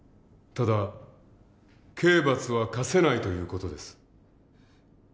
ただ刑罰は科せないという事です。